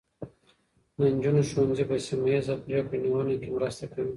د نجونو ښوونځي په سیمه ایزه پرېکړه نیونه کې مرسته کوي.